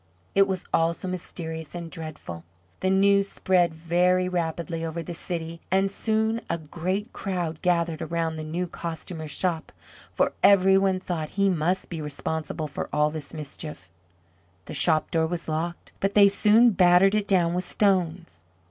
It was all so mysterious and dreadful. The news spread very rapidly over the city, and soon a great crowd gathered around the new Costumer's shop for every one thought he must be responsible for all this mischief. The shop door was locked; but they soon battered it down with stones.